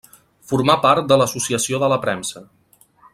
Formà part de l’Associació de la Premsa.